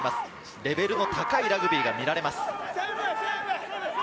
レベルの高いラグビーが見られます。